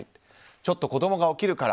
ちょっと子供が起きるから。